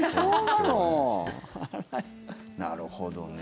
なるほどね。